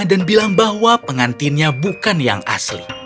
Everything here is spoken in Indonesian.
dan bilang bahwa pengantinnya bukan yang asli